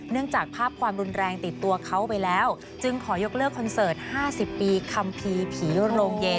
จากภาพความรุนแรงติดตัวเขาไปแล้วจึงขอยกเลิกคอนเสิร์ต๕๐ปีคัมภีร์ผีโรงเย็น